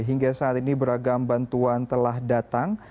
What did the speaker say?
hingga saat ini beragam bantuan telah datang